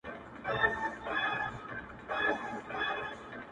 • لونگيه دا خبره دې سهې ده؛